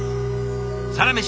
「サラメシ」